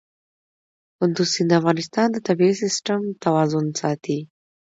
کندز سیند د افغانستان د طبعي سیسټم توازن ساتي.